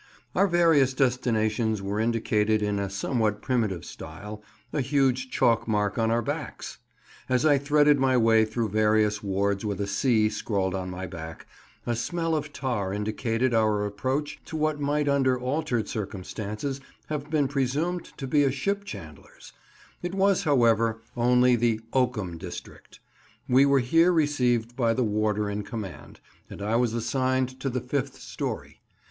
Our various destinations were indicated in a somewhat primitive style—a huge chalk mark on our backs. As I threaded my way through various wards with a C scrawled on my back, a smell of tar indicated our approach to what might under altered circumstances have been presumed to be a ship chandler's; it was, however, only the oakum district. We were here received by the warder in command, and I was assigned to the fifth storey.